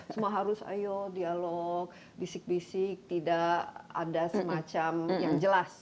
semua harus ayo dialog bisik bisik tidak ada semacam yang jelas